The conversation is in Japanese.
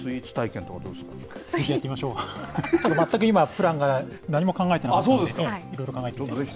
高橋さん、全く今、プランが今、何も考えていなかったので、いろいろ考えます。